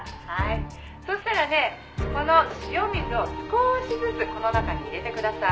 「そしたらねこの塩水を少しずつこの中に入れてください」